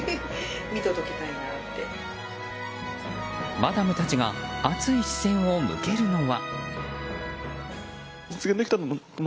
マダムたちが熱い視線を向けるのは。